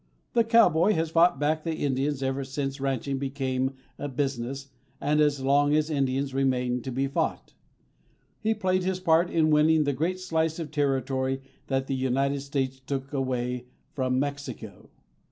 The cowboy has fought back the Indians ever since ranching became a business and as long as Indians remained to be fought. He played his part in winning the great slice of territory that the United States took away from Mexico.